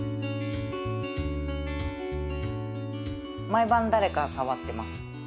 毎晩誰か触ってます。